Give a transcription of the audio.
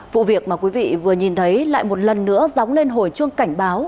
vụ việc mà quý vị vừa nhìn thấy lại một lần nữa dóng lên hồi chuông cảnh báo